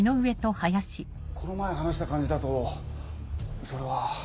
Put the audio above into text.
この前話した感じだとそれは。